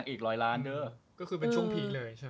คือเป็นช่วงพีคเลยใช่ไหม